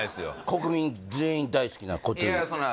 国民全員大好きな